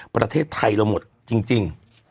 ประเทศไทยเราหมดจริง